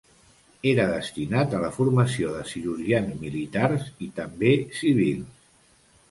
Era destinat a la formació de cirurgians militars i també civils.